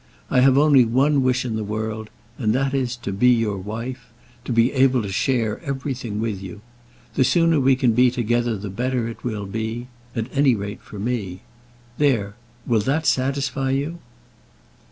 I have only one wish in the world, and that is, to be your wife, to be able to share everything with you. The sooner we can be together the better it will be, at any rate, for me. There; will that satisfy you?"